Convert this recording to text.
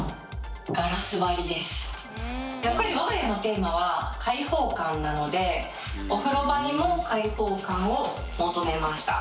やっぱり我が家のテーマは開放感なのでお風呂場にも開放感を求めました。